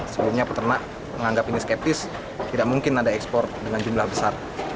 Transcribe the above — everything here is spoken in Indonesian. sebelumnya peternak menganggap ini skeptis tidak mungkin ada ekspor dengan jumlah besar